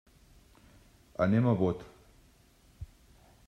Anem a Bot.